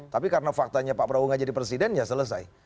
tapi karena faktanya pak prabowo gak jadi presiden ya selesai